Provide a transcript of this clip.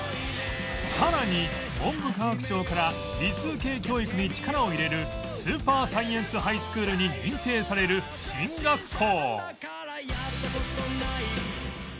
さらに文部科学省から理数系教育に力を入れるスーパーサイエンスハイスクールに認定される進学校